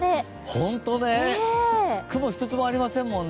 ホントね、雲一つもありませんもんね。